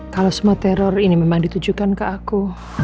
kalau semua teror ini memang ditujukan ke aku